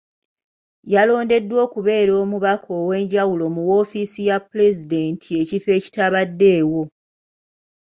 Yalondeddwa okubeera omubaka ow’enjawulo mu woofiisi ya Pulezidenti ekifo ekitabaddeewo.